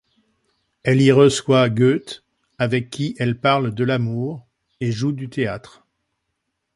Elle y reçoit Goethe avec qui elle parle de l'amour et joue du théâtre.